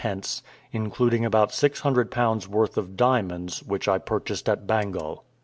including about six hundred pounds' worth of diamonds, which I purchased at Bengal.